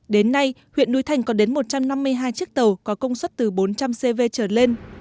đến nay huyện núi thành có đến một trăm năm mươi hai chiếc tàu có công suất từ bốn trăm linh cv trở lên